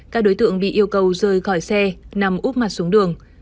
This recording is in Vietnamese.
các đối tượng bị yêu cầu rời khỏi xe nằm úp mặt xuống đường